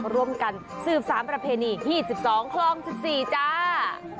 ร่วมกันสืบสารประเพณีที่๑๒คลอง๑๔จ้า